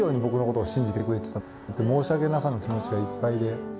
申し訳なさの気持ちがいっぱいで。